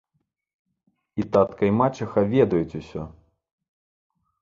І татка і мачыха ведаюць усё.